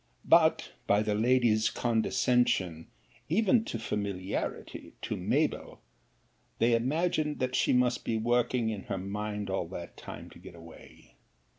But by the lady's condescension, (even to familiarity) to Mabell, they imagined, that she must be working in her mind all that time to get away.